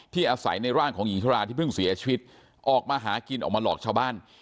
อาศัยในร่างของหญิงชราที่เพิ่งเสียชีวิตออกมาหากินออกมาหลอกชาวบ้าน